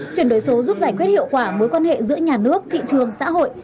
chuyển đổi số giúp giải quyết hiệu quả mối quan hệ giữa nhà nước thị trường xã hội